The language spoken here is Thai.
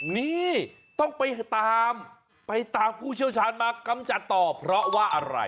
นี่ต้องไปตามไปตามผู้เชี่ยวชาญมากำจัดต่อเพราะว่าอะไร